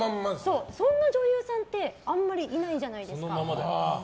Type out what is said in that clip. そんな女優さんってあんまりいないじゃないですか。